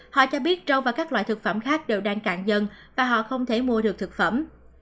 họ cho biết rau và các loại thực phẩm khác đều đang cạn dần và họ không thể mua được thực phẩm